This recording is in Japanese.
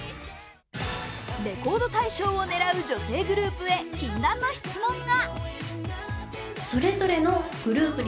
レコード大賞を狙う女性グループへ禁断の質問が。